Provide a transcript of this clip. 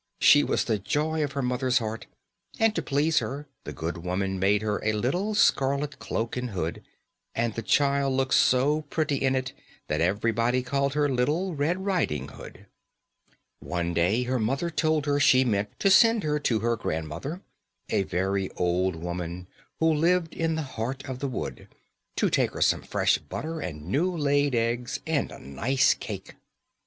She was the joy of her mother's heart, and to please her, the good woman made her a little scarlet cloak and hood, and the child looked so pretty in it that everybody called her Little Red Riding Hood. [Illustration: RED RIDING HOOD PREPARING FOR HER JOURNEY.] One day her mother told her she meant to send her to her grandmother a very old woman who lived in the heart of the wood to take her some fresh butter and new laid eggs and a nice cake.